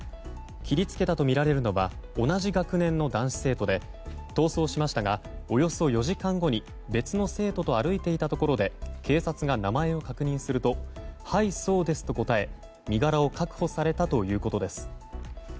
切り付けたとみられるのは同じ学年の男子生徒で逃走しましたがおよそ４時間後に別の生徒と歩いていたところで警察が名前を確認するとはい、そうですと答え身柄を確保されたということです。